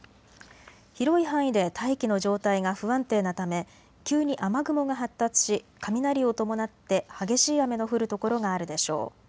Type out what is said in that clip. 広い範囲で大気の状態が不安定なため急に雨雲が発達し雷を伴って激しい雨の降る所があるでしょう。